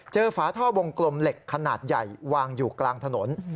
ฝาท่อวงกลมเหล็กขนาดใหญ่วางอยู่กลางถนน